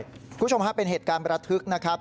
คุณผู้ชมฮะเป็นเหตุการณ์ประทึกนะครับ